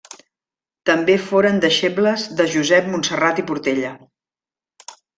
També foren deixebles de Josep Montserrat i Portella.